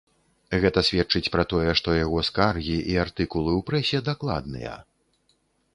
Гэта сведчыць пра тое, што яго скаргі і артыкулы ў прэсе дакладныя.